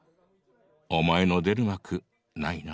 お前の出る幕ないナ。